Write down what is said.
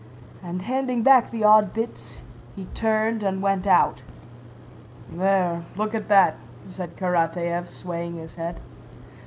And handing back the odd bits he turned and went out. "There, look at that," said Karatáev, swaying his head.